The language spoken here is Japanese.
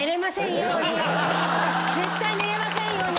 絶対寝れませんように。